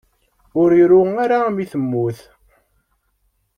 Ur iru ara mi temmut.